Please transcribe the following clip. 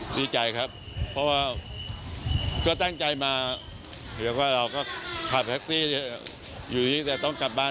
ดีใจครับเพราะว่าก็ตั้งใจมาเรียกว่าเราก็ขับแท็กซี่อยู่ที่แต่ต้องกลับบ้าน